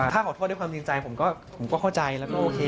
ถ้าขอโทษด้วยความจริงใจผมก็เข้าใจแล้วก็โอเค